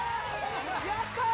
やったー！